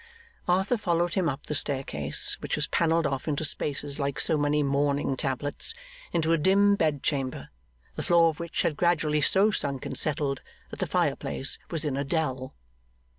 Arthur followed him up the staircase, which was panelled off into spaces like so many mourning tablets, into a dim bed chamber, the floor of which had gradually so sunk and settled, that the fire place was in a dell.